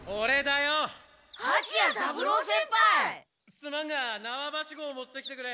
すまんが縄バシコを持ってきてくれ。